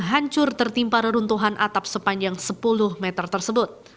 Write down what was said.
hancur tertimpa reruntuhan atap sepanjang sepuluh meter tersebut